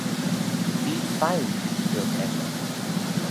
Feed feiy, dooyrt eshyn.